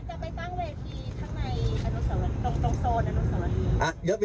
คุณจะไปตั้งเวทีทั้งในตรงโซนอนุสวรี